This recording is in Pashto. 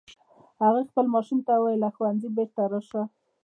هغې خپل ماشوم ته وویل چې له ښوونځي بیرته راشه